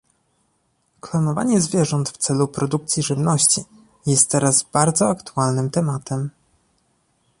Klonowanie zwierząt w celu produkcji żywności jest teraz bardzo aktualnym tematem